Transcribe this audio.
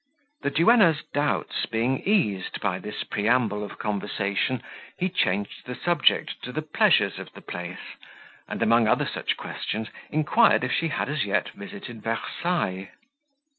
The duenna's doubts being eased by this preamble of conversation, he changed the subject to the pleasures of the place; and, among other such questions, inquired if she had as yet visited Versailles.